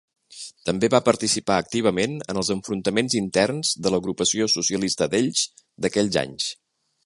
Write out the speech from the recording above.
També va participar activament en els enfrontaments interns de l'Agrupació Socialista d'Elx d'aquells anys.